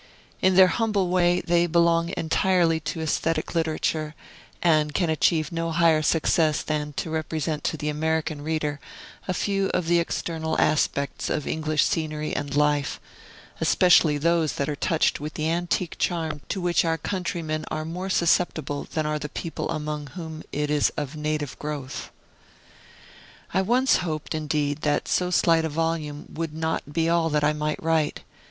In their humble way, they belong entirely to aesthetic literature, and can achieve no higher success than to represent to the American reader a few of the external aspects of English scenery and life, especially those that are touched with the antique charm to which our countrymen are more susceptible than are the people among whom it is of native growth. I once hoped, indeed, that so slight a volume would not be all that I might write.